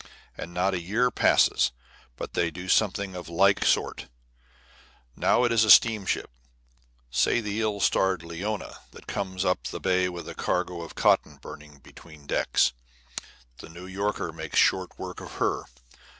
And not a year passes but they do something of like sort. Now it is a steamship, say the ill starred Leona, that comes up the bay with a cargo of cotton burning between decks. The New Yorker makes short work of her.